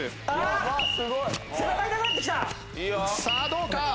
さあどうか？